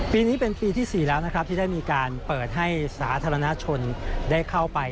ปีนี้เป็นปีที่๔แล้วนะครับที่ได้มีการเปิดให้สาธารณชนได้เข้าไป